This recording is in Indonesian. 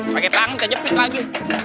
pake tangan kejepit lagi